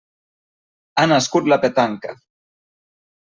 Ha nascut la petanca.